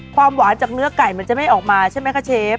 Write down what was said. ความหวานจากเนื้อไก่มันจะไม่ออกมาใช่ไหมคะเชฟ